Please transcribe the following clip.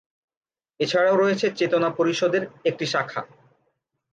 এছাড়াও রয়েছে চেতনা পরিষদ এর একটি শাখা।